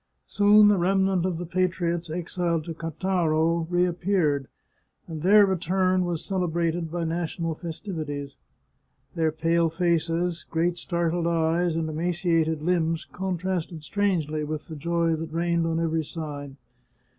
Soon the remnant of the patriots exiled to Cattaro reappeared, and their return was cele brated by national festivities. Their pale faces, great startled eyes, and emaciated limbs, contrasted strangely with the joy that reigned on every side.